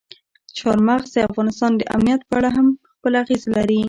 چار مغز د افغانستان د امنیت په اړه هم خپل اغېز لري.